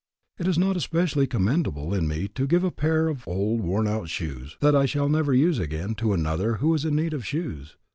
It is not especially commendable in me to give a pair of old, worn out shoes that I shall never use again to another who is in need of shoes.